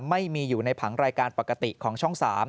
ไม่มีอยู่ในผังรายการปกติของช่อง๓